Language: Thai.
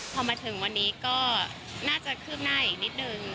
พอมาถึงวันนี้ก็น่าจะคืบหน้าอีกนิดนึง